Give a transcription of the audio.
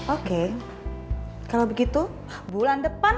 oke kalau begitu bulan depan